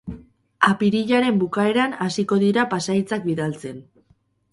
Apirilaren bukaeran hasiko dira pasahitzak bidaltzen.